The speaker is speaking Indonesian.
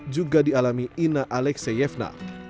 juga dialami ina alekseevna